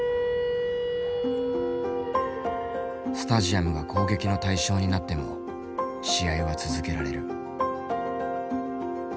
スタジアムが攻撃の対象になっても試合は続けられる。